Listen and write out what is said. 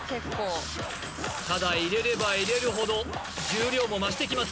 ただ入れれば入れるほど重量も増していきます